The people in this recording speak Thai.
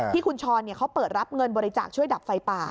ที่คุณชรเขาเปิดรับเงินบริจาคช่วยดับไฟป่า